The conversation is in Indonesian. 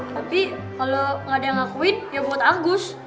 tapi kalau nggak ada yang ngakuin ya buat agus